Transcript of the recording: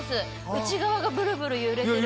内側がブルブル揺れてる感じ。